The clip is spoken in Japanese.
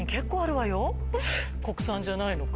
国産じゃないのか。